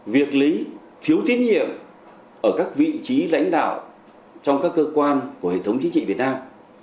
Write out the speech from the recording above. việc lấy phiếu tín nhiệm ở các vị trí lãnh đạo trong các cơ quan của hệ thống chính trị việt nam